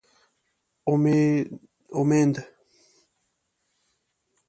امېند